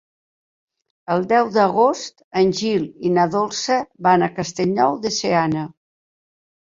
El deu d'agost en Gil i na Dolça van a Castellnou de Seana.